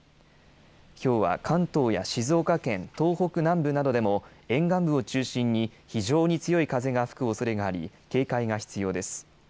きょうは関東や静岡県、東北南部などでも、沿岸部を中心に非常に強い風が吹くおそれがあり、警戒が必要です。